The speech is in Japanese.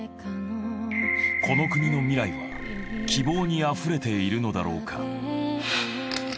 この国の未来は希望に溢れているのだろうか？